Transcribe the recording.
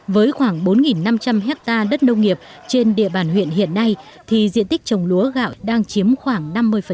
với khoảng bốn năm trăm linh hectare đất nông nghiệp trên địa bàn huyện hiện nay thì diện tích trồng lúa gạo đang chiếm khoảng năm mươi